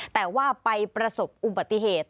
แต่ว่าไปประสบอุบัติเหตุ